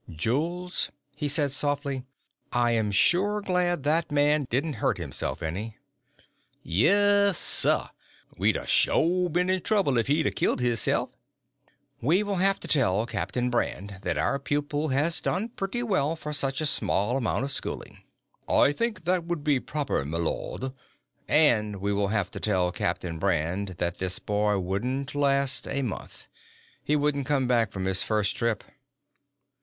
"Jules," he said softly, "I am sure glad that man didn't hurt himself any." "Yes, suh! We'd of sho' been in trouble if he'd of killed hisself!" "We will have to tell Captain Brand that our pupil has done pretty well for such a small amount of schooling." "I think that would be proper, m'lud." "And we will also have to tell Captain Brand that this boy wouldn't last a month. He wouldn't come back from his first trip."